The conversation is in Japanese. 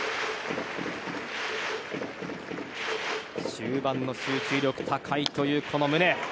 終盤の集中力が高いという宗。